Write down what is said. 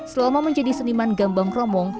selama menjadi seniman gambang kromong